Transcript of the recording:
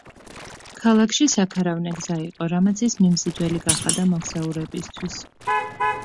ქალაქში საქარავნე გზა იყო, რამაც ის მიმზიდველი გახადა მოგზაურებისთვის.